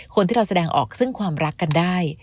คนที่เราแสดงออกซึ่งความรักกันได้